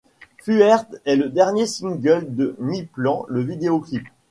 Fuerte est le dernier single de Mi Plan, le vidéo clip.